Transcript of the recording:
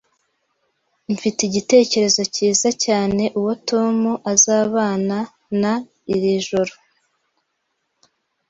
Mfite igitekerezo cyiza cyane uwo Tom azabana na iri joro